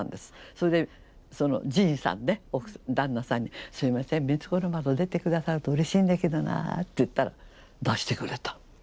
それで神さんね旦那さんに「すいません『光子の窓』出て下さるとうれしいんだけどな」と言ったら出してくれた。